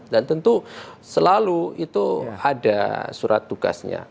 dan tentu selalu itu ada surat tugasnya